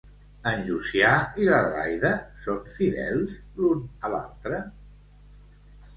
En Llucià i l'Adelaida són fidels l'un a l'altre?